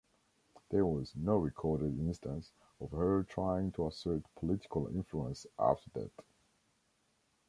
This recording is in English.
There was no recorded instance of her trying to assert political influence after that.